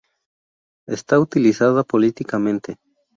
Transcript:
Es utilizada políticamente.